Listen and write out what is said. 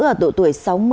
ở độ tuổi sáu mươi